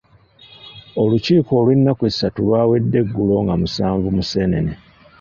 Olukiiko olw'ennaku essatu lwawedde eggulo nga musanvu Museenene.